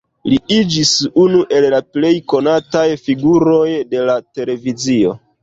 Li iĝis unu el la plej konataj figuroj de la televizio.